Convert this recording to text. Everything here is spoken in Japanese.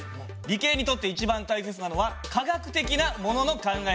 理系にとって一番大切なのは科学的なものの考え方です。